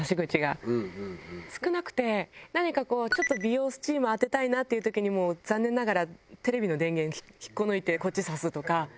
何かちょっと美容スチーム当てたいなっていう時にもう残念ながらテレビの電源引っこ抜いてこっち差すとか。